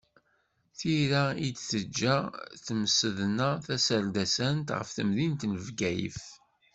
Tira i d-teǧǧa temsedna-taserdasant ɣef temdint n Bgayet.